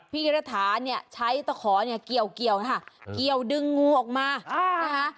พี่รัฐาเนี่ยใช้ตะขอเนี่ยเกี่ยวนะคะเกี่ยวดึงงูออกมานะคะ